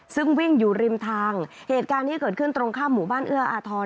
ซึ่งวิ่งอยู่ริมทางเหตุการณ์ที่เกิดขึ้นตรงข้ามหมู่บ้านเอื้ออาทร